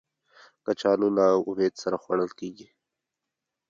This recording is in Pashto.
کچالو له امید سره خوړل کېږي